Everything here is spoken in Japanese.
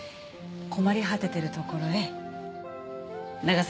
困り果ててるところへ長崎さんの車が。